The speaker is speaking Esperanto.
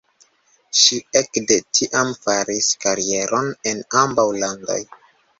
Ŝi ekde tiam faris karieron en ambaŭ landoj.